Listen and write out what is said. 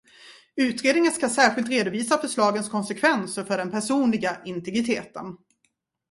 Utredningen ska särskilt redovisa förslagens konsekvenser för den personliga integriteten.